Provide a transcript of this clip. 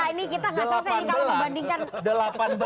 ya ini kita gak selesai nih kalau membandingkan